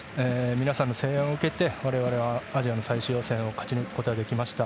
皆さんの声援を受けて我々はアジアの最終予選を勝ち抜くことができました。